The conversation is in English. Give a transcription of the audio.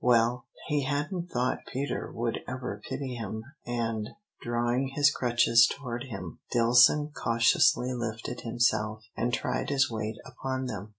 Well, he hadn't thought Peter would ever pity him, and, drawing his crutches toward him, Dillson cautiously lifted himself, and tried his weight upon them.